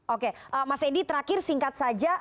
oke mas edi terakhir singkat saja